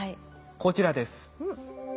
こちらです。